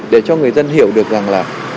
để cho người dân hiểu được rằng là